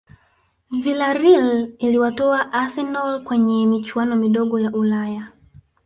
Vilareal iliwatoa arsenal kwenye michuano midogo ya ulaya